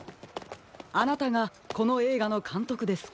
あなたがこのえいがのかんとくですか？